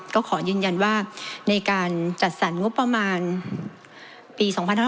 ก็ขอยืนยันว่าในการจัดสรรงบประมาณปี๒๕๕๙